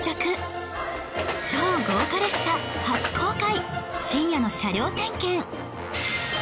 超豪華列車初公開！